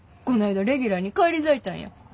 こないだレギュラーに返り咲いたんや。